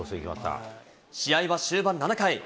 試合は終盤、７回。